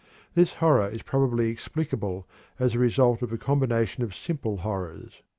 This horror is probably explicable as the result of a combination of simple horrors.